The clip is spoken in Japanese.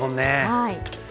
はい。